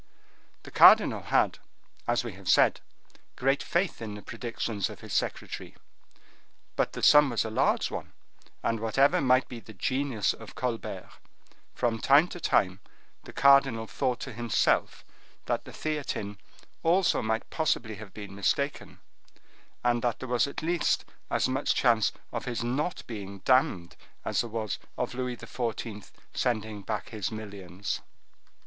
The cardinal had, as we have said, great faith in the predictions of his secretary; but the sum was a large one, and whatever might be the genius of Colbert, from time to time the cardinal thought to himself that the Theatin also might possibly have been mistaken, and there was at least as much chance of his not being damned, as there was of Louis XIV. sending back his millions.